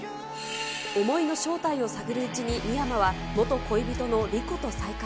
思いの正体を探るうちに、未山は、元恋人の莉子と再会。